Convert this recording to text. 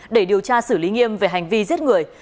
để điều tra xử lý nghiêm về hành vi giết người